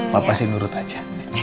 papa sih nurut aja